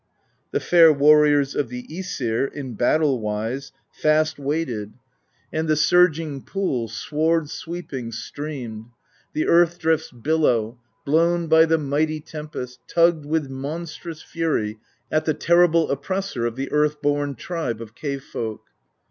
The fair warriors of the iEsir, In battle wise, fast waded, 126 PROSE EDDA And the surging pool, sward sweeping, Streamed: the earth drift's billow, Blown by the mighty tempest, Tugged with monstrous fury At the terrible oppressor Of the earth born tribe of cave folk.